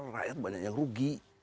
rakyat banyak yang rugi